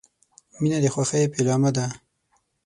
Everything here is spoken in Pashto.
• مینه د خوښۍ پیلامه ده.